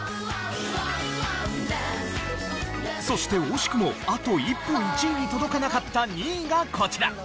そして惜しくもあと一歩１位に届かなかった２位がこちら。